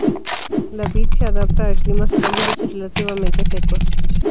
La vid se adapta a climas cálidos y relativamente secos.